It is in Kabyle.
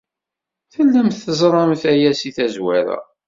Tellamt teẓramt aya seg tazwara.